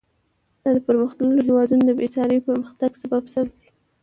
دا د پرمختللو هېوادونو د بېساري پرمختګ سبب شوې ده.